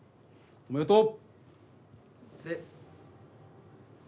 おめでとう！